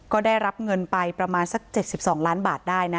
ก็ได้รับเงินไปประมาณสักเจ็ดสิบสองล้านบาทได้นะ